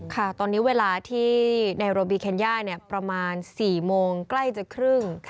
ค่ะตอนนี้เวลาที่ในโรบีเคนย่าประมาณ๔โมงใกล้จะครึ่ง